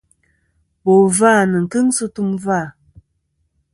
Bò vâ nɨn kɨŋ sɨ tum vâ.